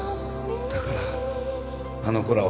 だからあの子らは